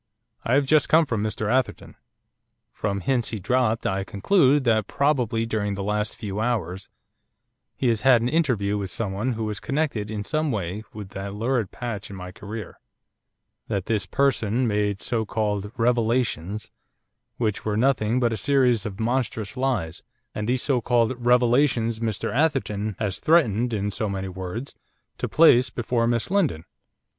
I have just come from Mr Atherton. From hints he dropped I conclude that, probably during the last few hours, he has had an interview with someone who was connected in some way with that lurid patch in my career; that this person made so called revelations, which were nothing but a series of monstrous lies; and these so called revelations Mr Atherton has threatened, in so many words, to place before Miss Lindon.